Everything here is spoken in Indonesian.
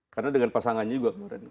karena dengan pasangannya juga kemarin